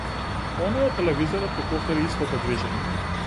Оној од телевизорот го повтори истото движење.